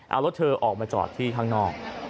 เอารถเธอออกมาจอดที่ข้างนอก